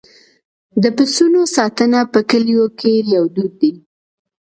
د پسونو ساتنه په کلیو کې یو دود دی.